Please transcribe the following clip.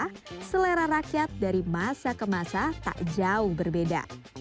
karena selera rakyat dari masa ke masa tak jauh berbeda